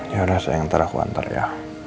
yaudah sayang nanti aku antar ya